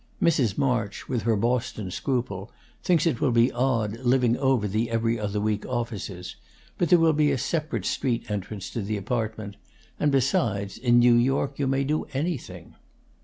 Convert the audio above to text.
Mrs. March, with her Boston scruple, thinks it will be odd, living over the 'Every Other Week' offices; but there will be a separate street entrance to the apartment; and besides, in New York you may do anything.